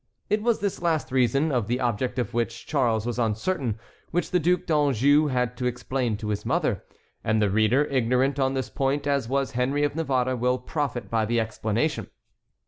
It was this last reason, of the object of which Charles was uncertain, which the Duc d'Anjou had to explain to his mother. And the reader, ignorant on this point as was Henry of Navarre, will profit by the explanation.